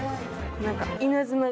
何か。